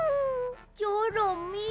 チョロミー。